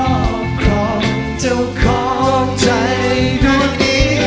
มาถ้าดีครอบเจ้าของใจดวงที